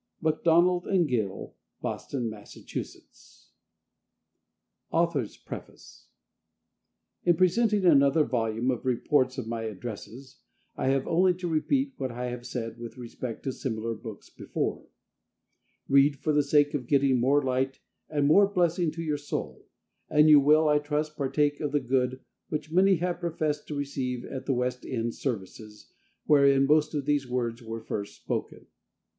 MCDONALD & GILL BOSTON, MASS. AUTHOR'S PREFACE. In presenting another volume of reports of my Addresses, I have only to repeat what I have said with respect to similar books before Read, for the sake of getting more light and more blessing to your soul, and you will, I trust, partake of the good which many have professed to receive at the West End services, wherein most of these words were first spoken.